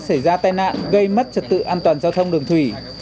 xảy ra tai nạn gây mất trật tự an toàn giao thông đường thủy